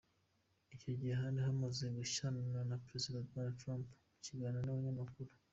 Icyo gihe yari amaze gushyamirana na Perezida Donald Trump mu kiganiro n'abanyamakuru.